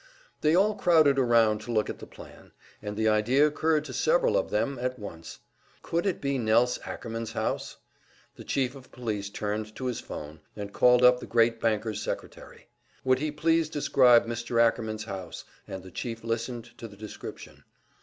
They all crowded around to look at the plan, and the idea occurred to several of them at once: Could it be Nelse Ackerman's house? The Chief of Police turned to his phone, and called up the great banker's secretary. Would he please describe Mr. Ackerman's house; and the chief listened to the description.